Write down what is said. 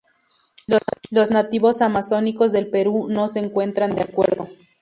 Los nativos amazónicos del Perú no se encuentran de acuerdo.